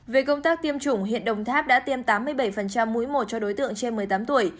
về công tác tiêm chủng hiện đồng tháp đã tiêm tám mươi bảy mũi một cho đối tượng trên một mươi tám tuổi